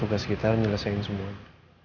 tugas kita nyelesain semuanya